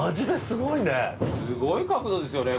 すごい角度ですよね。